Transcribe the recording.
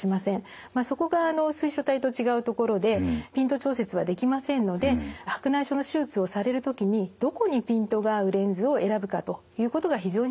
まあそこが水晶体と違うところでピント調節はできませんので白内障の手術をされる時にどこにピントが合うレンズを選ぶかということが非常に重要になってきます。